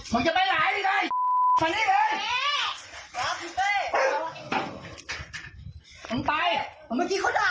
มึงไปเมื่อกี้เขาด่าผมมึงไปมึงไปเมื่อกี้เขาด่าผมอ่ะ